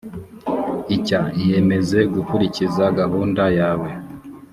icya iyemeze gukurikiza gahunda yawe